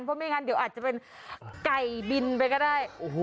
เพราะไม่งั้นเดี๋ยวอาจจะเป็นไก่บินไปก็ได้